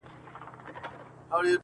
هم یې ماښام هم یې سهار ښکلی دی؛